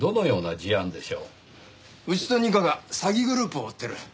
うちと二課が詐欺グループを追ってる。